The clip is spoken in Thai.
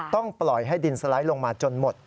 ปล่อยให้ดินสไลด์ลงมาจนหมด